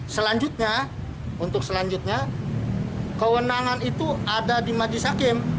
selanjutnya untuk selanjutnya kewenangan itu ada di majelis hakim